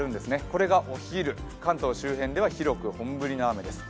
これがお昼、関東周辺では広く本降りの雨です。